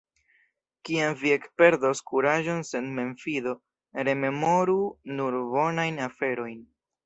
Kiam vi ekperdos kuraĝon sen memfido, rememoru nur bonajn aferojn.